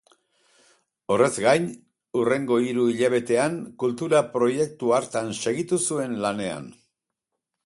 Horrez gain, hurrengo hiru hilabetean kultura-proiektu hartan segitu zuen lanean.